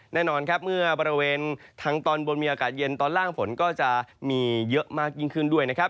แน่นอนครับเมื่อบริเวณทางตอนบนมีอากาศเย็นตอนล่างฝนก็จะมีเยอะมากยิ่งขึ้นด้วยนะครับ